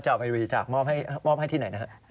เอาไปบริจาคมอบให้ที่ไหนนะฮะ